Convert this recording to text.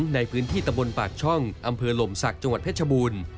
ในพื้นที่ตะบนปากช่องอำเภอหลมศักดิ์จังหวัดเพชรบูรณ์